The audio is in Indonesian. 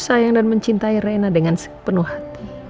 sayang dan mencintai raina dengan sepenuh hati